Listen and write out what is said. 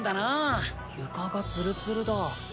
床がツルツルだ。